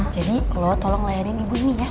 jadi lo tolong layanin ibu ini ya